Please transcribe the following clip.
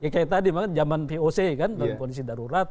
kayak tadi zaman voc kan dalam kondisi darurat